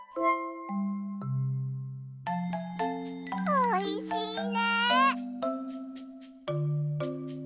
おいしいね！